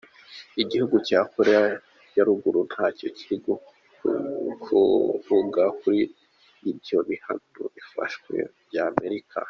Igihugu ca Korea ya Ruguru ntaco kiravuga kuri ivyo bihano bishasha vya Amerika.